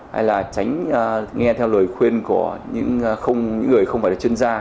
hay là tránh nghe theo lời khuyên của những người không phải là chuyên gia